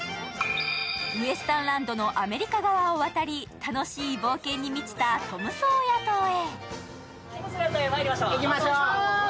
ウエスタンランドのアメリカ河を渡り、楽しい冒険に満ちたトムソーヤ島へ。